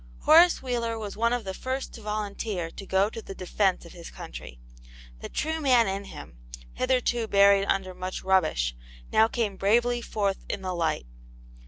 Horace Wheeler was one of the first to volunteer to go to the defence of his country. The true man in him, hitherto buried under much rubbish, now came bravely forth in the light.